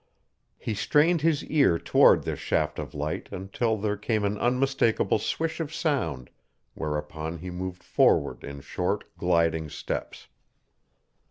He strained his ear toward this shaft of light until there came an unmistakable swish of sound, whereupon he moved forward in short, gliding steps.